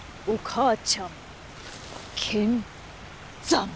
お母ちゃん見参」。